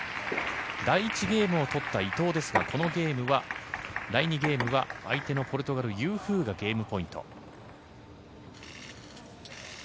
第１ゲームを取った伊藤ですがこのゲームは第２ゲームは相手のポルトガル、ユー・フーがゲームポイント。